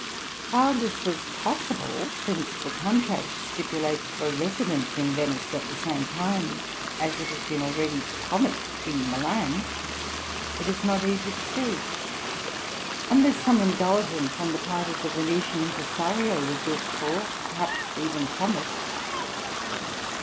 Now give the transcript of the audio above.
How this was possible, since the contract stipulates for residence in Venice at the same time as it had been already promised in Milan, it is not easy to see, unless some indulgence on the part of the Venetian impresario was looked for, perhaps even promised.